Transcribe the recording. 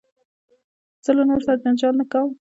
زه له نورو سره جنجال نه کوم.